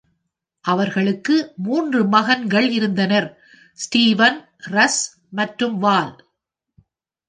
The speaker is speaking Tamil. அவர்களுக்கு மூன்று மகன்கள் இருந்தனர்: ஸ்டீவன், ரஸ் மற்றும் வால்.